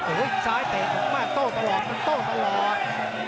โอ้โหซ้ายเตะออกมาโต๊ะตลอดโต๊ะตลอด